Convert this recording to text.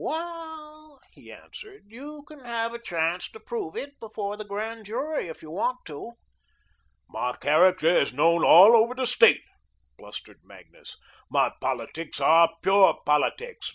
"Well," he answered, "you can have a chance to prove it before the Grand Jury, if you want to." "My character is known all over the State," blustered Magnus. "My politics are pure politics.